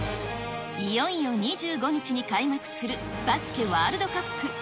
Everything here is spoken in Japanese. いよいよ２５日に開幕するバスケワールドカップ。